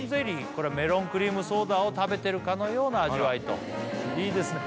これはメロンクリームソーダを食べてるかのような味わいといいですね